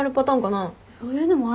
そういうのもあんの？